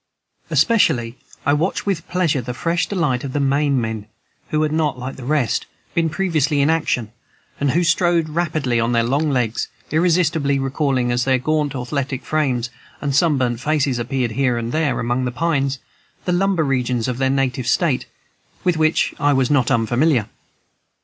Especially I watched with pleasure the fresh delight of the Maine men, who had not, like the rest, been previously in action, and who strode rapidly on with their long legs, irresistibly recalling, as their gaunt, athletic frames and sunburnt faces appeared here and there among the pines, the lumber regions of their native State, with which I was not unfamiliar.